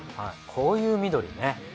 こういう緑ね。